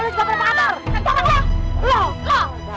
lu juga berpengaruh